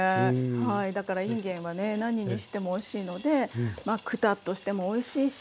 はいだからいんげんはね何にしてもおいしいのでまあクタッとしてもおいしいし。